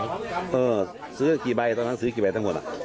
ซื้อกี่ใบตอนนั้นซื้อกี่ใบทั้งหมดอ่ะ